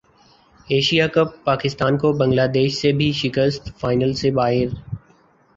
Asia cup Pakistan کو Bangladesh سے بھی شکست فائنل سے باہر